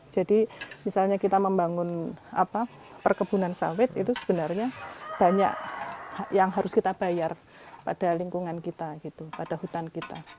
jadi misalnya kita membangun perkebunan sawit itu sebenarnya banyak yang harus kita bayar pada lingkungan kita pada hutan kita